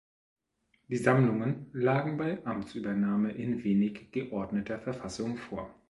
Die Sammlungen lagen bei Amtsübernahme in wenig geordneter Verfassung vor.